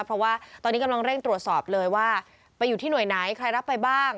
เพราะว่าตอนนี้กำลังเร่งตรวจสอบเลยว่าไปอยู่ที่หน่วยไหนใครรับไปบ้าง